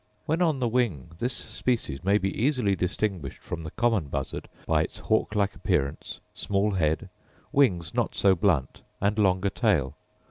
When on the wing this species may be easily distinguished from the common buzzard by its hawk like appearance, small head, wings not so blunt, and longer tail.